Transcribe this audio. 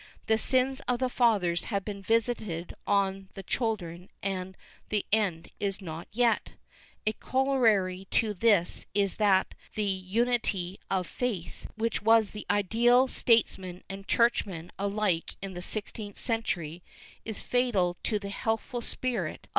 The sins of the fathers have been visited on the children and the end is not yet. A corollary to this is that the unity of faith, which was the ideal of statesman and churcljman alike in the sixteenth century, is fatal to the healthful spirit of * Archive do Simancas, Inq.